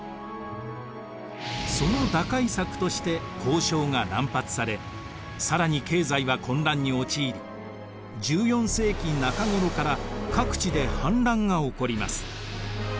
その打開策として交鈔が乱発され更に経済は混乱に陥り１４世紀中頃から各地で反乱が起こります。